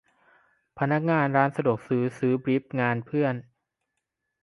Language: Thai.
พนักงานร้านสะดวกซื้อบรีฟงานเพื่อน